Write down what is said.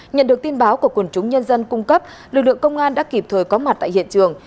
nhận được tin báo của quần chúng nhân dân cung cấp lực lượng công an đã kịp thời có mặt tại hiện trường